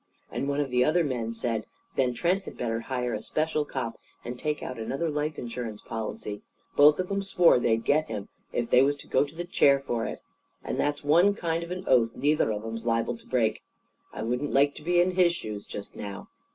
And one of the other men said, 'Then Trent had better hire a special cop and take out another life insurance policy. Both of 'em swore they'd get him, if they was to go to the chair for it. And that's one kind of an oath neither of 'em's liable to break. I wouldn't like to be in his shoes just now!